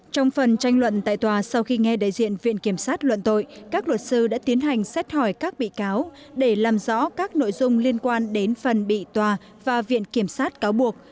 trong phần tranh luận tại tòa sau khi nghe đại diện viện kiểm sát luận tội các luật sư đã tiến hành xét hỏi các bị cáo để làm rõ các nội dung liên quan đến phần bị tòa và viện kiểm sát cáo buộc